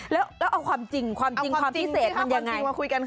แล้วเอาความจริงความจริงความพิเศษมันยังไง